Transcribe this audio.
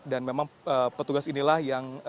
dan memang petugas inilah yang